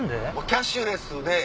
キャッシュレスで。